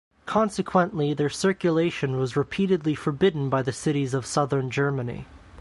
Consequently their circulation was repeatedly forbidden by the cities of Southern Germany.